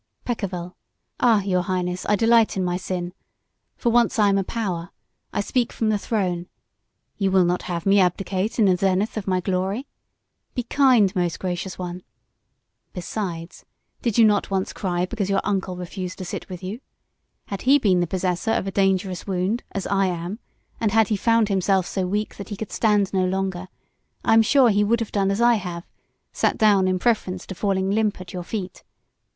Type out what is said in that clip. "Peccavi. Ah, Your Highness, I delight in my sin. For once I am a power; I speak from the throne. You will not have me abdicate in the zenith of my glory? Be kind, most gracious one. Besides, did you not once cry because your uncle refused to sit with you? Had he been the possessor of a dangerous wound, as I am, and had he found himself so weak that he could stand no longer, I am sure he would have done as I have sat down in preference to falling limp at your feet.